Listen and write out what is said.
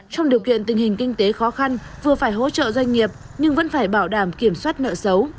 trong điều kiện tình hình kinh tế khó khăn vừa phải hỗ trợ doanh nghiệp nhưng vẫn phải bảo đảm kiểm soát nợ xấu